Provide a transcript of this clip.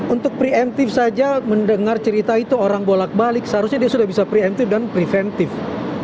untuk pre emptive saja mendengar cerita itu orang bolak balik seharusnya dia sudah bisa pre emptive dan preventive